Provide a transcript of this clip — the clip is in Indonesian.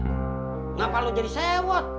kenapa lo jadi sewot